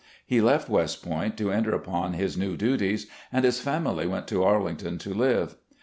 He left West Point to enter upon his new duties, and his family went to Arlington to live.